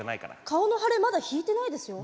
顔の腫れまだ引いてないですよ。